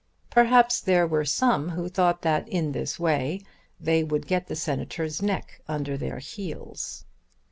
Perhaps there were some who thought that in this way they would get the Senator's neck under their heels.